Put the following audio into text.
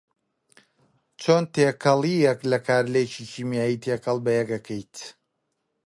چۆن تێکەڵیەک لە کارلێکی کیمیایی تێکەڵ بەیەک ئەکەیت